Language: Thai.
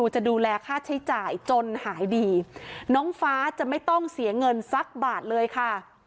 จะดูแลค่าใช้จ่ายจนหายดีน้องฟ้าจะไม่ต้องเสียเงินสักบาทเลยค่ะ